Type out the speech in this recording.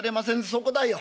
「そこだよ。